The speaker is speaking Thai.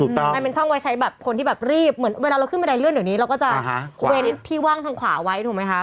มันเป็นช่องไว้ใช้แบบคนที่แบบรีบเหมือนเวลาเราขึ้นบันไดเลื่อนเดี๋ยวนี้เราก็จะเว้นที่ว่างทางขวาไว้ถูกไหมคะ